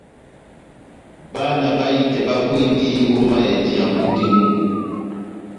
Bana bahitɛ bakwendi ó mayɛjiya mʼbú tɛ́ mú.